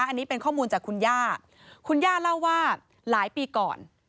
อันนี้เป็นข้อมูลจากคุณย่าคุณย่าเล่าว่าหลายปีก่อน